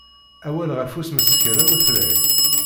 Awal ɣef usmeskel amutlay.